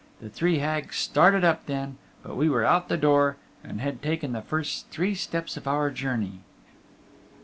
The three Hags started up then, but we were out on the door, and had taken the first three steps of our journey.